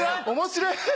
おもしろい？